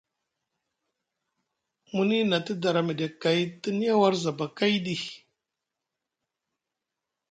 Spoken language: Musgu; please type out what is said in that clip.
Muni na te dara miɗe kay te niya war zaba kay ɗi.